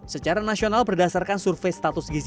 secara nasional berdasarkan survei status gizi